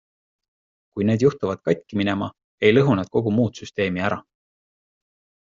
Kui need juhtuvad katki minema, ei lõhu nad kogu muud süsteemi ära.